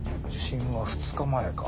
受信は２日前か。